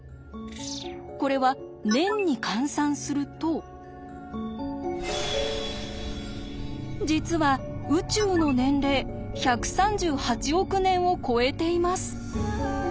これは実は宇宙の年齢１３８億年を超えています。